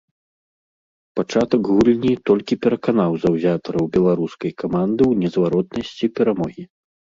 Пачатак гульні толькі пераканаў заўзятараў беларускай каманды ў незваротнасці перамогі.